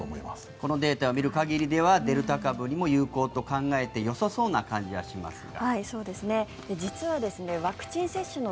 このデータを見る限りではデルタ株にも有効と考えてよさそうな感じがしますが。